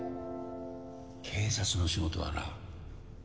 警察の仕事はな